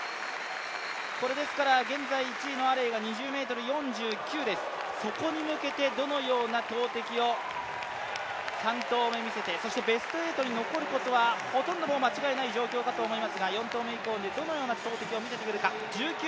現在１位が２０ｍ４９ですから、そこに向けてどのような投てきを３投目見せてそしてベスト８に残ることはほとんど間違いないと思いますが、４投目以降どのような投てきを見せてくるか。